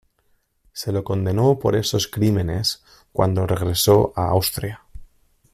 Se lo condenó por estos crímenes cuando regresó a Austria.